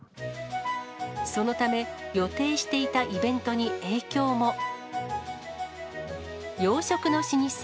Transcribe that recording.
そのため、予定していたイベントに影響も。